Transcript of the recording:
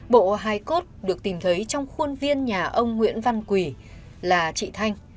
bộ hai cốt được tìm thấy trong khuôn viên nhà ông nguyễn văn quỷ là chị thanh